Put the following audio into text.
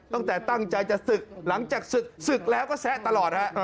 ตั้งแต่ตั้งใจจะศึกหลังจากศึกศึกแล้วก็แซะตลอดฮะ